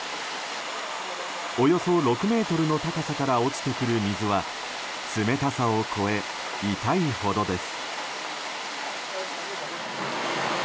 およそ６ｍの高さから落ちてくる水は冷たさを超え、痛いほどです。